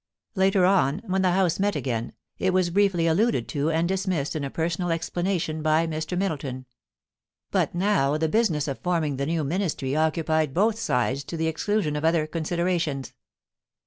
Later on, when the House met again, it was briefly alluded to and dismissed in a personal explanation by Mr. Middleton ; but now the business of forming the new Ministry occupied both sides to the exclusion of other considerations.